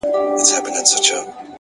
لوی بدلون له کوچني تصمیم پیلېږي.